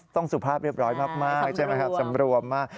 สุภาพเรียบร้อยมากใช่ไหมครับสำรวมมาก